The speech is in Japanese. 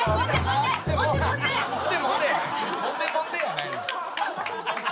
「揉んで揉んで」やないねん。